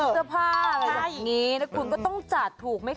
ซื้อผ้าอะไรแบบนี้แล้วคุณก็ต้องจัดถูกไหมคะ